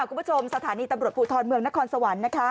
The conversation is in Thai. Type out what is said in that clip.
คุณผู้ชมสถานีตำรวจผู้ทอดเมืองนครสวรรค์